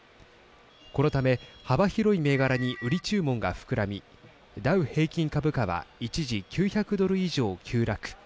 このため幅広い銘柄に売り注文が膨らみダウ平均株価は一時９００ドル以上急落。